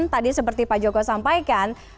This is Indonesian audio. tadi seperti pak joko sampaikan